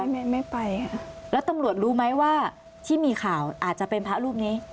ไม่ไม่ไปค่ะแล้วตำรวจรู้ไหมว่าที่มีข่าวอาจจะเป็นพระรูปนี้